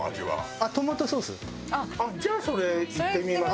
じゃあそれいってみます。